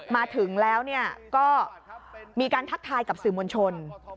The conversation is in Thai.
มาถึงแล้วก็มีการทักทายกับสื่อมวลชน